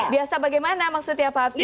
biasa bagaimana maksudnya pak hapsi